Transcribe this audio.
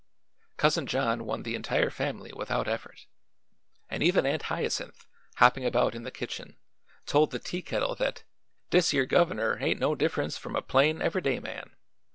Cousin John won the entire family without effort, and even Aunt Hyacinth, hopping about in the kitchen, told the tea kettle that "dis yer guv'ner ain't no diff'rence f'm a plain, ever'day man.